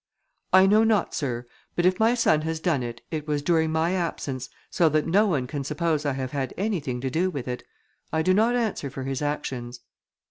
"I know not, Sir, but if my son has done it, it was during my absence, so that no one can suppose I have had anything to do with it. I do not answer for his actions."